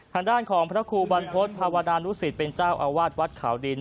ทางด้านของพระครูบรรพฤษภาวดานุสิตเป็นเจ้าอาวาสวัดขาวดิน